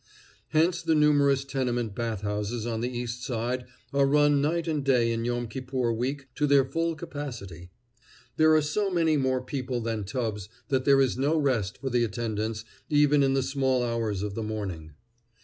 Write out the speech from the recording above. Hence the numerous tenement bath houses on the East Side are run night and day in Yom Kippur week to their full capacity. There are so many more people than tubs that there is no rest for the attendants even in the small hours of the morning.